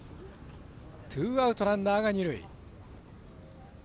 ツーアウト、ランナーが二塁。